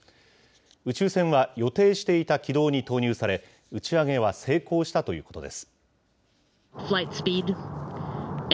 宇宙船は予定していた軌道に投入され、打ち上げは成功したということです。